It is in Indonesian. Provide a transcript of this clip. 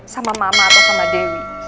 sama mama atau sama dewi